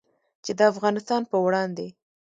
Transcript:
چې د افغانستان په وړاندې